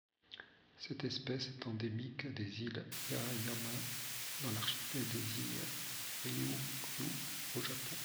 Cette espèce est endémique des îles Yaeyama dans l'archipel des îles Ryūkyū au Japon.